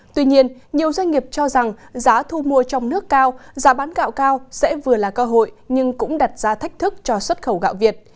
tuy nhiên nhiều doanh nghiệp cho rằng giá thu mua trong nước cao giá bán gạo cao sẽ vừa là cơ hội nhưng cũng đặt ra thách thức cho xuất khẩu gạo việt